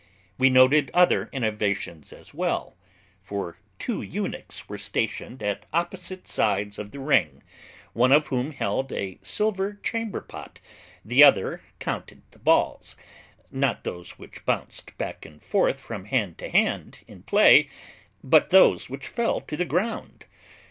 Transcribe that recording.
We noted other innovations as well, for two eunuchs were stationed at opposite sides of the ring, one of whom held a silver chamber pot, the other counted the balls; not those which bounced back and forth from hand to hand, in play, but those which fell to the ground.